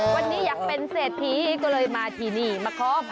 วันนี้อยากเป็นเศรษฐีก็เลยมาที่นี่มาขอ